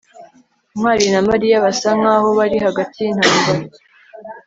ntwali na mariya basa nkaho bari hagati yintambara